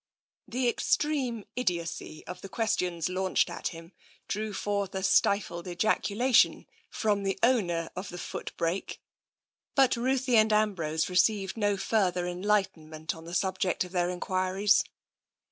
" The extreme idiocy of the questions launched at him drew forth a stifled ejaculation from the owner of the foot brake, but Ruthie and Ambrose received no* further enlightenment on the subject of their enquiries.